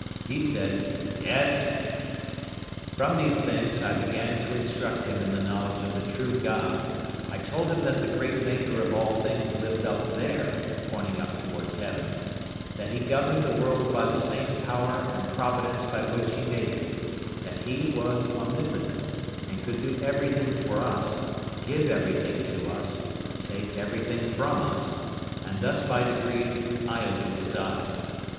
He said, "Yes." From these things, I began to instruct him in the knowledge of the true God; I told him that the great Maker of all things lived up there, pointing up towards heaven; that He governed the world by the same power and providence by which He made it; that He was omnipotent, and could do everything for us, give everything to us, take everything from us; and thus, by degrees, I opened his eyes.